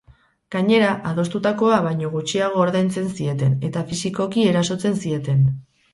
Gainera, adostutakoa baino gutxiago ordaintzen zieten eta fisikoki erasotzen zieten.